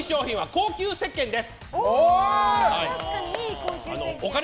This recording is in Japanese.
高級せっけんで。